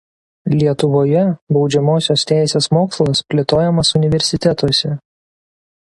Lietuvoje baudžiamosios teisės mokslas plėtojamas universitetuose.